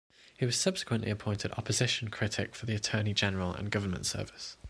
He was subsequently appointed opposition critic for the Attorney General and Government Service.